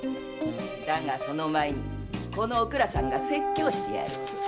だがその前にこのおくらさんが説教してやる。